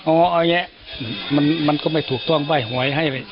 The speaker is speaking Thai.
เอาอย่างนี้แล้วมันก็ไม่ถูกต้องบ่ายหวยให้เลย